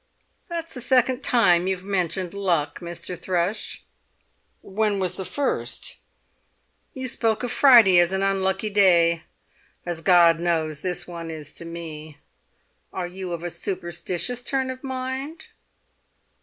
"That's the second time you've mentioned luck, Mr. Thrush!" "When was the first?" "You spoke of Friday as an unlucky day, as God knows this one is to me! Are you of a superstitious turn of mind?"